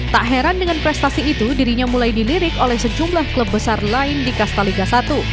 tak heran dengan prestasi itu dirinya mulai dilirik oleh sejumlah klub besar lain di kastaliga satu